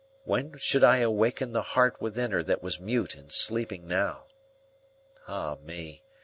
When should I awaken the heart within her that was mute and sleeping now? Ah me!